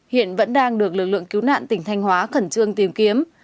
hiện vẫn đang được lực lượng cứu nạn tỉnh thanh hóa khẩn trương tìm kiếm